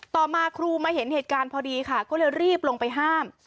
ต่อมาครูมาเห็นเหตุการณ์พอดีค่ะก็เลยรีบลงไปห้าม